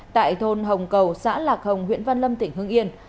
tại thôn hồng cầu xã lạc hồng huyện văn lâm tỉnh hưng yên